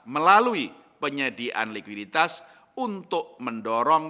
melalui penyediaan likuiditas untuk mendorong